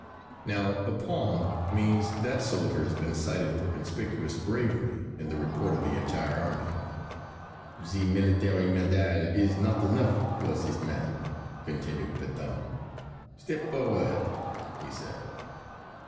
Now a palm means that soldier has been cited for conspicuous bravery in the report of the entire army. "The military medal is not enough for this man," continued Pétain. "Step forward," he said.